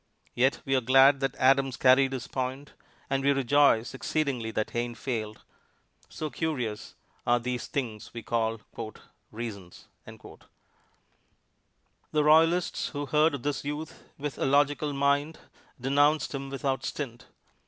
Yet we are glad that Adams carried his point; and we rejoice exceedingly that Hayne failed, so curious are these things we call "reasons." The royalists who heard of this youth with a logical mind denounced him without stint.